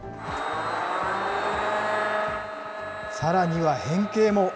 さらには変形も。